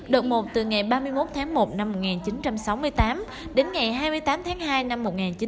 độ một từ ngày ba mươi một tháng một năm một nghìn chín trăm sáu mươi tám đến ngày hai mươi tám tháng hai năm một nghìn chín trăm bảy mươi năm